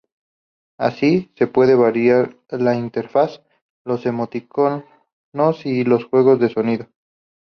Así, se puede variar la interfaz, los emoticonos y el juego de sonidos.